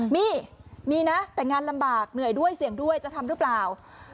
มีมีนะแต่งานลำบากเหนื่อยด้วยเสี่ยงด้วยจะทำหรือเปล่า